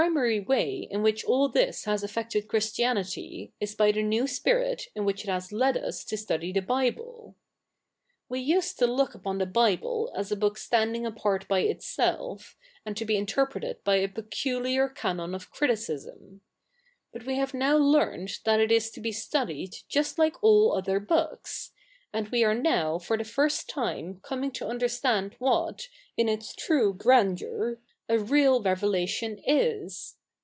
nary way in which all this has affected Christianity, is by the new spirit in which it has led us to study the Bible. We used to look upon the Bible as a book standing apart by itself and to be interpreted by a peculiar ca?w7i of criticis?7i. But we have now learnt that it is to be studied just like all other books ; and we are now for the first time coming to understand what, in its true grandeur, a real revelation is.